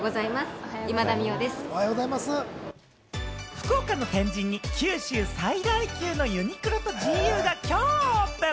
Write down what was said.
福岡の天神に、九州最大級のユニクロとジーユーが今日オープン。